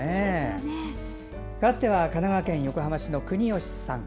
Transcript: かわっては神奈川県横浜市の国吉さん。